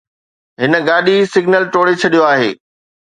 هن گاڏي سگنل ٽوڙي ڇڏيو آهي